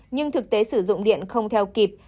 nhưng thực tế sử dụng điện không theo kịp